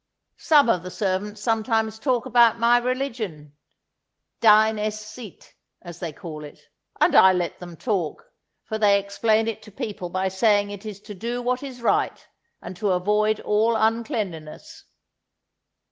Some of the servants sometimes talk about my religion dyn es Sytt, as they call it and I let them talk; for they explain it to people by saying it is to do what is right, and to avoid all uncleanliness.